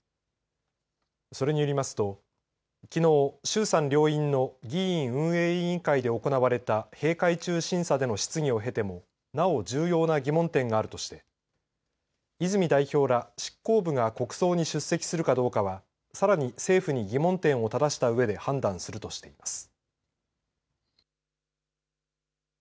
それによりますときのう衆参両院の議院運営委員会で行われた閉会中審査での質疑を経てもなお重要な疑問点があるとして泉代表ら執行部が国葬に出席するかどうかはさらに政府に疑問点をただしたうえで判断するとしています。